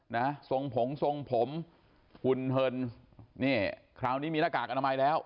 นะทรงผงทรงผมหุ่นเหินนี่คราวนี้มีหน้ากากอนามัยแล้ว